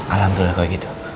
alhamdulillah kayak gitu